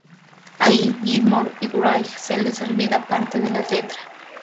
Ahí a Gilmour y a Wright se les olvida parte de la letra.